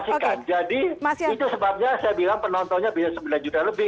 jadi itu sebabnya saya bilang penontonnya bisa sembilan juta lebih